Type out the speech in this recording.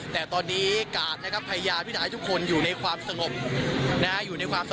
แต่ตอนนี้กาศนะครับพยายามให้ทุกคนอยู่ในความสงบนะฮะ